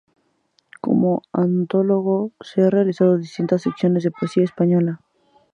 Como antólogo ha realizado distintas selecciones de poesía española.